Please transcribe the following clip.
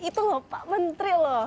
itu lho pak menteri lho